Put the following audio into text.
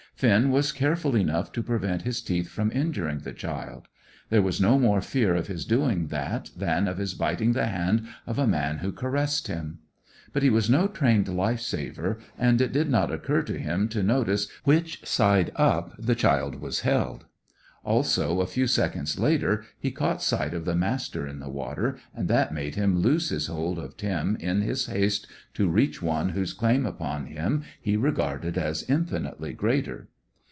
Finn was careful enough to prevent his teeth from injuring the child; there was no more fear of his doing that than of his biting the hand of a man who caressed him. But he was no trained life saver, and it did not occur to him to notice which side up the child was held. Also, a few seconds later, he caught sight of the Master in the water, and that made him loose his hold of Tim, in his haste to reach one whose claim upon him he regarded as infinitely greater.